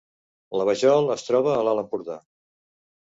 La Vajol es troba a l’Alt Empordà